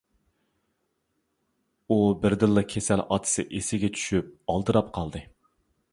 ئۇ بىردىنلا كېسەل ئاتىسى ئېسىگە چۈشۈپ ئالدىراپ قالدى.